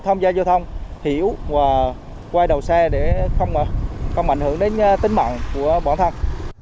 không giao giao thông hiểu và quay đầu xe để không ảnh hưởng đến tính mạng của bọn thân